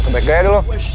kebaik gaya dulu